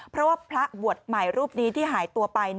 เพราะว่าพระบวชใหม่รูปนี้ที่หายตัวไป